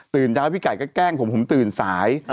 ตื่นเจ้าพี่ไก่ก็แกล้งผมผมตื่นสาย